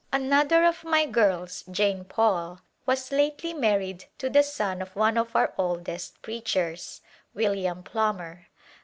Another of my girls, Jane Paul, was lately married to the son of one of our oldest preachers, William Plomer.